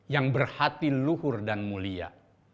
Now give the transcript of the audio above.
yang berhati luhur dan mulia